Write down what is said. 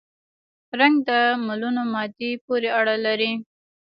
رنګ د ملونه مادې پورې اړه لري.